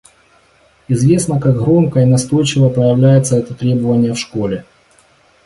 Известно, как громко и настойчиво проявляется это требование в школе.